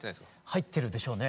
入ってるでしょうね。